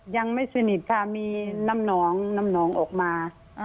ยังไม่สนิทค่ะมีน้ำหนองน้ำหนองออกมา